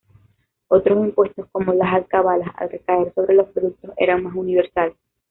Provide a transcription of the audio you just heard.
Otros impuestos, como las alcabalas, al recaer sobre los productos, eran más universales.